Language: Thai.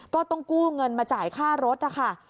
ก็ต้องกู้เงินมาจ่ายค่ารถนะคะ